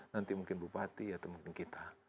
nanti mungkin bupati atau mungkin kita